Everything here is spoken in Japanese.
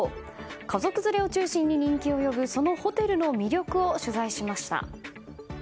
家族連れを中心に人気を呼ぶそのホテルの魅力を取材しました。